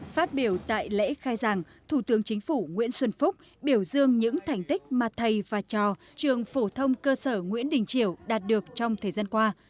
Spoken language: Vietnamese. phát biểu tại lễ khai giảng thủ tướng chính phủ nguyễn xuân phúc biểu dương những thành tích mà thầy và trò trường phổ thông cơ sở nguyễn đình triều đạt được trong thời gian qua